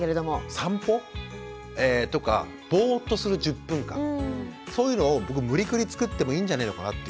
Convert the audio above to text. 散歩とかぼっとする１０分間そういうのを僕無理くりつくってもいいんじゃねえのかなっていう。